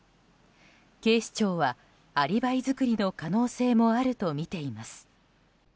警視庁は、アリバイ作りの可能性もあるとみています。